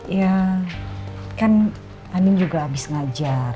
ya kan anin juga abis ngajar